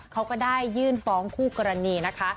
เขาก็ได้ยื่นฟ้องคู่กรณีนะคะ